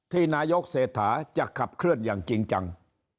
นายกเศรษฐาจะขับเคลื่อนอย่างจริงจัง